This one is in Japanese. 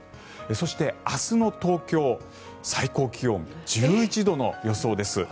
そして、明日の東京最高気温１１度の予想です。